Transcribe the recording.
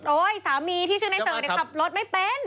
โอ๊ยสามีที่ชื่อนายเสิร์ธจะขับรถไม่เป็น